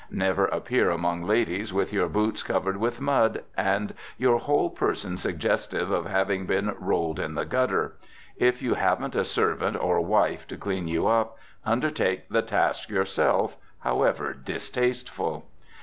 Never appear among ladies with your boots covered with mud, and your whole person suggestive of having been rolled in the gutter. If you haven't a servant or wife to clean you up, undertake the task yourself, however distasteful.